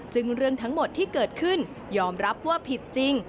ซึ่งเรื่องทั้งหมดที่เกิดขึ้นยอมรับว่าผิดจริง